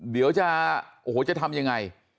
เดี๋ยวจะโอ้โหจะทำยังไง